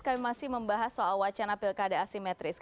kami masih membahas soal wacana pilkada asimetris